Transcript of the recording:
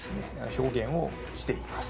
表現をしています・